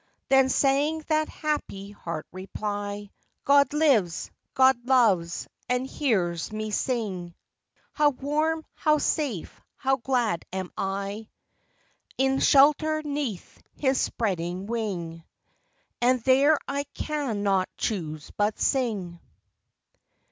Then sang that happy Heart reply :" God lives, God loves, and hears me sing. iox 102 THE SINGING HEART . How warm, how safe, how glad am I, In shelter 'neath his spreading wing, And there I cannot choose but sing."